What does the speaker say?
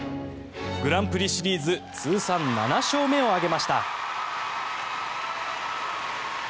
グランプリシリーズ通算７勝目を挙げました。